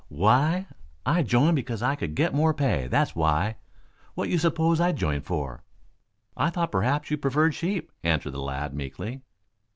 "Why? I joined because I could get more pay. That's why. What you suppose I joined for?" "I thought perhaps you preferred sheep," answered the lad meekly.